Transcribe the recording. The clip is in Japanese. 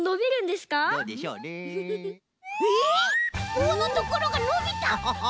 ぼうのところがのびた！ハハハ。